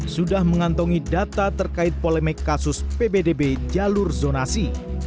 sudah mengantongi data terkait polemik kasus pbdb jalur zonasi